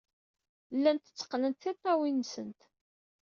Llant tteqqnent tiṭṭawin-nsent.